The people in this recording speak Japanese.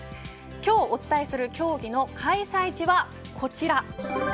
今日お伝えする競技の開催地はこちら。